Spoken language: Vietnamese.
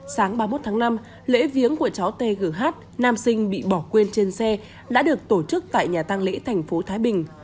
sáng ba mươi một tháng năm lễ viếng của cháu t g h nam sinh bị bỏ quên trên xe đã được tổ chức tại nhà tăng lễ tp thái bình